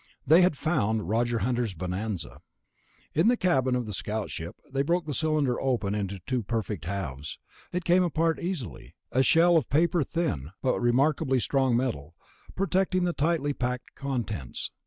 They had found Roger Hunter's bonanza. In the cabin of the scout ship they broke the cylinder open into two perfect halves. It came apart easily, a shell of paper thin but remarkably strong metal, protecting the tightly packed contents.